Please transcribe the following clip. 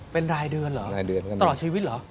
เป็นรายเดือนเหรอต่อชีวิตเหรอ